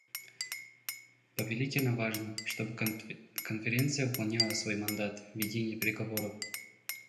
Повелительно важно, чтобы Конференция выполняла свой мандат: ведение переговоров.